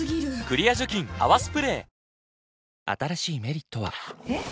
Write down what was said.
クリア除菌「泡スプレー」新しい「メリット」はえっ！